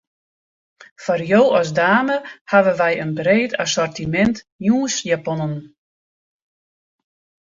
Foar jo as dame hawwe wy in breed assortimint jûnsjaponnen.